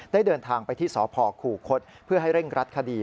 เดินทางไปที่สพคูคศเพื่อให้เร่งรัดคดี